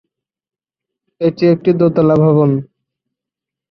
এটি একটি দোতলা ভবন।